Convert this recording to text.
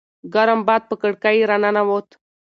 ګرم باد په کړکۍ راننووت.